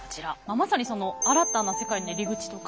まさにその「新たな世界の入口」とか。